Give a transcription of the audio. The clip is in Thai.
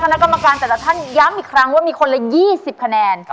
คณะกรรมการแต่ละท่านย้ำอีกครั้งว่ามีคนละ๒๐คะแนน